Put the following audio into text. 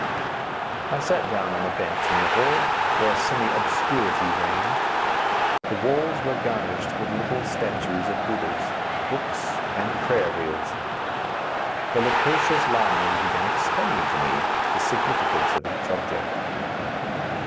I sat down on a bench in the hall, where semi obscurity reigned. The walls were garnished with little statues of Buddha, books and prayer wheels. The loquacious lamas began explaining to me the significance of each object.